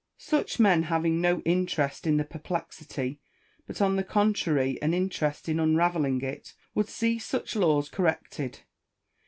Such men having no interest in the per plexity, but on the contrary an interest in unravelling it, would see such laws corrected.